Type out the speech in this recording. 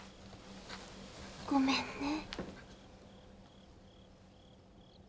ごめんね。